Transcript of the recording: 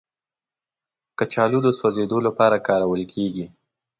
کچالو د سوځیدو لپاره کارول کېږي